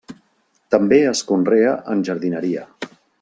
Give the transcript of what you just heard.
També es conrea en jardineria.